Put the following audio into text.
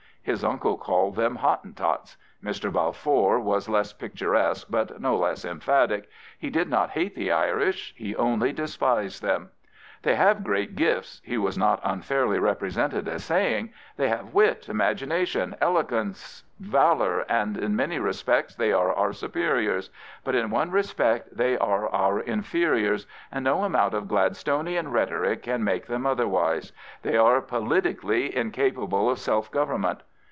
His uncle called them Hottentots. Mr. Balfour was less picturesque, but no less emphatic. He did not hate the Irish: he only despised them. They have 30 Arthur James Balfour great gifts/' he was not unfairly represented as say ing; they have wit, imagination, eloquence, valour; in many respects they are our superiors. But in one respect they are our inferiors, and no amount of Gladstonian rhetoric can make them otherwise. They are politically incapable of self government.